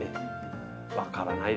分からないですよね